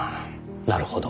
なるほど。